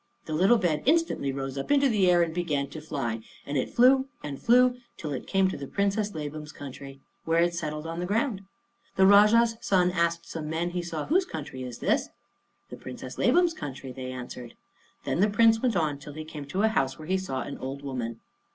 The little bed instantly rose up into the air and began to fly, and it flew and flew till it came to the Princess Labam's country, where it settled on the ground. The Rajah's son asked some men he saw, "Whose country is this?" "The Princess Labam's country," they answered. Then the Prince went on till he came to a house where he saw an old woman.